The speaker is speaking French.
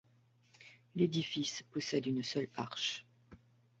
L'édifice possède une seule arche.